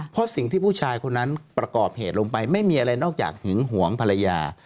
เพราะสิ่งที่ผู้ชายคนนั้นประกอบเหตุลงไปไม่มีอะไรนอกจากหึงหวงภรรยา